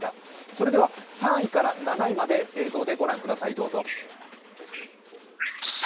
それでは３位から７位まで映像で御覧ください、どうぞ。